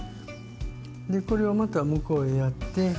でこれをまた向こうへやって。